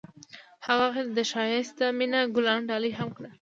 هغه هغې ته د ښایسته مینه ګلان ډالۍ هم کړل.